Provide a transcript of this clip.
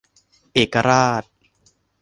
เอกราช